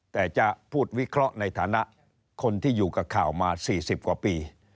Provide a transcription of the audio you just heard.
แต่จะพูดวิเคราะห์ในฐานะคนที่อยู่กับข่าวมา๔๐กว่าปี